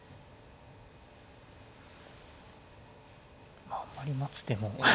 まああんまり待つ手も。